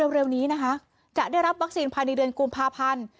เร็วนี้นะคะจะได้รับวัคซีนภายในเดือนกุมภาพันธ์